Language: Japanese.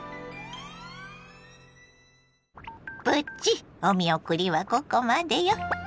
プチお見送りはここまでよ。